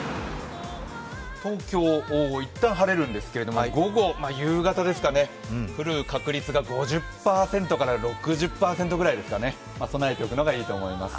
東京、一旦晴れるんですけども、午後、夕方に降る確率が５０％から６０％ぐらいですかね、備えておくのがいいと思います。